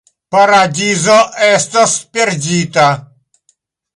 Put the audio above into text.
Paradizo estos perdita.